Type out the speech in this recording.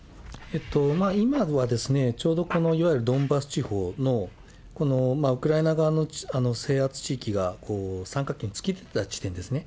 今は、ちょうどこのいわゆるドンバス地方のこのウクライナ側の制圧地域が三角形に突き出た地点ですね。